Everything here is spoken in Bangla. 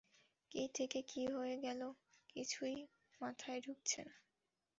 কী থেকে কী হয়ে গেল কিছুই মাথায় ঢুকছে না।